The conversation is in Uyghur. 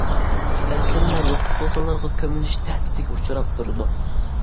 ئەسلىمىلەر ۋاقىت توزانلىرىغا كۆمۈلۈش تەھدىتىگە ئۇچراپ تۇرىدۇ.